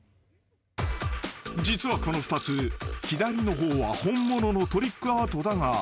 ［実はこの２つ左の方は本物のトリックアートだが］